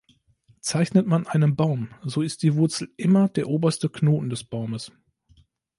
Zeichnet man einen Baum, so ist die Wurzel immer der oberste Knoten des Baumes.